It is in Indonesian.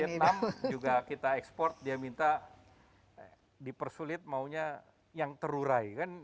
vietnam juga kita ekspor dia minta dipersulit maunya yang terurai kan